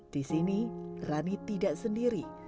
di sini rani tidak sendiri